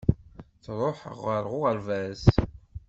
Ttruḥuɣ ɣer uɣerbaz.